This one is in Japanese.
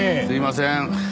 すみません。